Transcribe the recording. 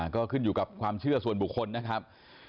ก็ขึ้นอยู่กับความเชื่อส่วนบุคคลนะครับ